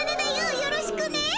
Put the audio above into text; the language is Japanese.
よろしくね。